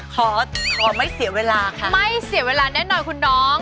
ขอขอไม่เสียเวลาค่ะไม่เสียเวลาแน่นอนคุณน้อง